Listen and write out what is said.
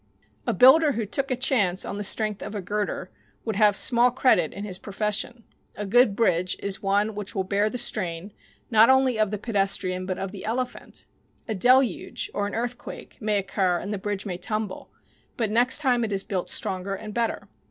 A builder who "took a chance" on the strength of a girder would have small credit in his profession. A good bridge is one which will bear the strain not only of the pedestrian, but of the elephant. A deluge or an earthquake may occur and the bridge may tumble, but next time it is built stronger and better.